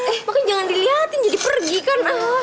eh makanya jangan dilihatin jadi pergi kan